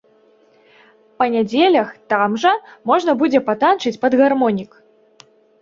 Па нядзелях там жа можна будзе патанчыць пад гармонік.